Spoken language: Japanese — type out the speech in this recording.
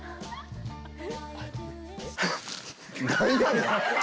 何やねん。